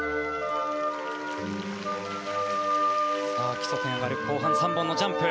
基礎点が上がる後半３本のジャンプ。